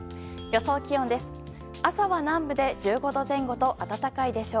予想気温です。